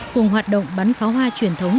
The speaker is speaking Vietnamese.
cùng hoạt động bắn kháo hoa truyền thống